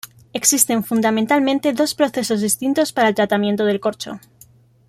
Existen fundamentalmente dos procesos distintos para el tratamiento del corcho.